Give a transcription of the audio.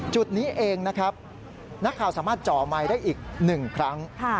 จุดนี้เองนะครับนักข่าวสามารถจ่อไมค์ได้อีก๑ครั้ง